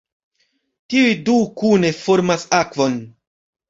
Tiuj du kune formas akvon.